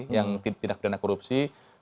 yang tindak pidana korupsi